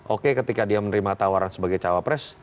oke ketika dia menerima tawaran sebagai cawapres